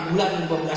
satu tahun berapa tahun